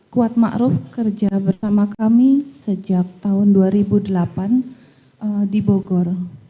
kuat ma'ruf kerja bersama kami sejak tahun dua ribu delapan di bogor